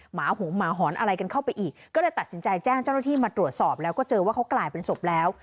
หมาหงหมาหอนอะไรกันเข้าไปอีกก็เลยตัดสินใจแจ้งเจ้าหน้าที่มาตรวจสอบแล้วก็เจอว่าเขากลายเป็นศพแล้ว